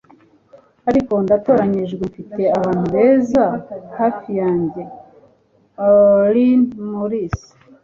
ariko ndatoranijwe mfite abantu beza hafi yanjye - olly murs